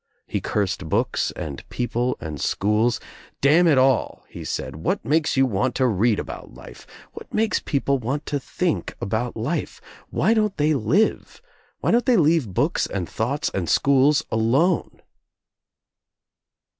He cursed books and people and schools. "Damn it all," he said. "What makes you want to read about life? What makes people I30 TUE TRIUMPH OF THE EGG want to think about life? Why don't they live? Why don't they leave books and thoughts and schools alone